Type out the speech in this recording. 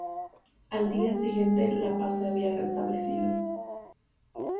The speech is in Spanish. Al día siguiente la paz se había restablecido.